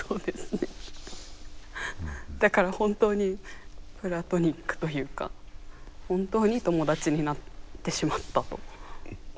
だから本当にプラトニックというか本当に友達になってしまったと思っています。